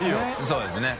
そうですね。